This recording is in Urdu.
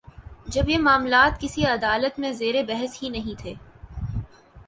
جب یہ معاملات کسی عدالت میں زیر بحث ہی نہیں تھے۔